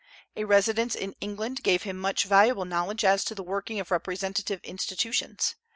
A residence in England gave him much valuable knowledge as to the working of representative institutions.